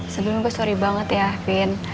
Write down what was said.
sebelumnya gue sorry banget ya vin